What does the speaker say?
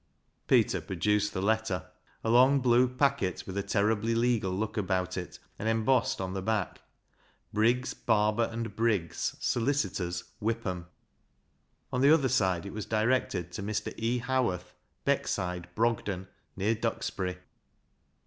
Peter produced the letter — a long, blue packet, with a terribly legal look about it, and embossed on the back, " Briggs, Barber, and Briggs, Solicitors, Whipliam," On the other side it was directed to Mr. E. Howarth, Beckside, Brogden, near Duxbury.